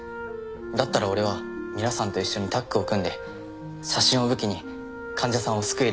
だったら俺は皆さんと一緒にタッグを組んで写真を武器に患者さんを救える医者になりたい。